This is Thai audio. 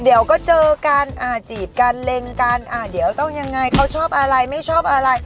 เดี๋ยวก็เจอกันอ่าจีบกันเล็งกันอ่าเดี๋ยวต้องยังไงเขาชอบอะไรไม่ชอบอะไร